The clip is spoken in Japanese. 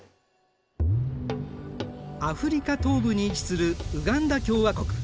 アフリカ東部に位置するウガンダ共和国。